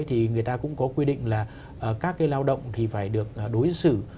thì người ta cũng có quy định là các cái lao động thì phải được đối xử